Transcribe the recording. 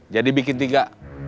jadi bikin tiga